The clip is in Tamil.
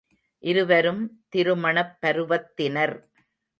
இருவரும் திருமணப் பருவத்தினர்.